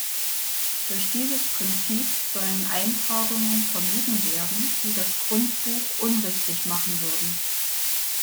Durch dieses Prinzip sollen Eintragungen vermieden werden, die das Grundbuch unrichtig machen würden.